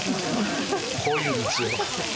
こういう道を。